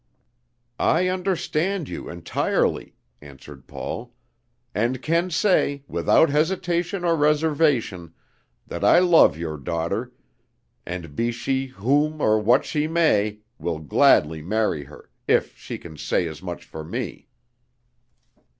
"I understand you entirely," answered Paul, "and can say, without hesitation or reservation, that I love your daughter, and, be she whom or what she may, will gladly marry her, if she can say as much for me."